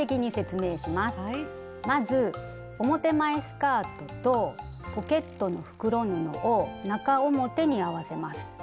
まず表前スカートとポケットの袋布を中表に合わせます。